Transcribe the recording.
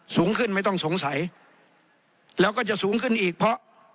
สูงขึ้นไม่ต้องสงสัยแล้วก็จะสูงขึ้นอีกเพราะ